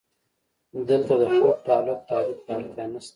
دلته د خپل تعقل تعریف ته اړتیا نشته.